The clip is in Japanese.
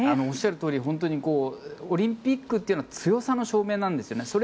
おっしゃるとおりオリンピックというのは強さの証明なんですよね。